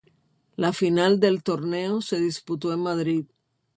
La final del Torneo se disputó en Madrid.